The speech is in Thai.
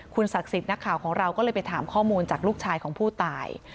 ศักดิ์สิทธิ์นักข่าวของเราก็เลยไปถามข้อมูลจากลูกชายของผู้ตาย